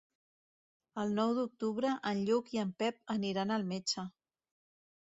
El nou d'octubre en Lluc i en Pep aniran al metge.